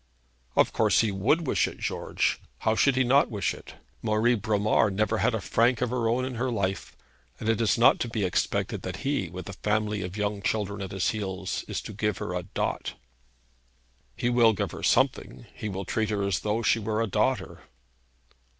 'Of course he would wish it, George. How should he not wish it? Marie Bromar never had a franc of her own in her life, and it is not to be expected that he, with a family of young children at his heels, is to give her a dot.' 'He will give her something. He will treat her as though she were a daughter.'